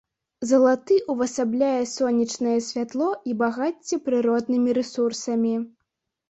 Залаты ўвасабляе сонечнае святло і багацце прыроднымі рэсурсамі.